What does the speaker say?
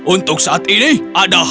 untuk saat ini ada hal yang harus diaturkan